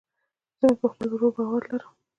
زه مې په خپل ورور باور لرم